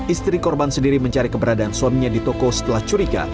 istri korban sendiri mencari keberadaan suaminya di toko setelah curiga